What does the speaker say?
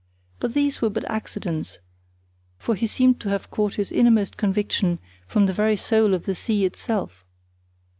But these were but accidents; for he seemed to have caught his innermost conviction from the very soul of the sea itself.